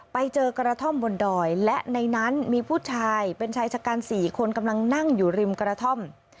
ไปเจอกระท่อมบนดอยและในนั้นมีผู้ชายเป็นชายชะกัน๔คนกำลังนั่งอยู่ริมกระท่อม